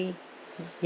có một lối đi